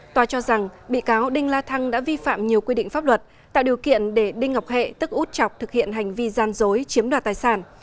tòa cho rằng bị cáo đinh la thăng đã vi phạm nhiều quy định pháp luật tạo điều kiện để đinh ngọc hệ tức út chọc thực hiện hành vi gian dối chiếm đoạt tài sản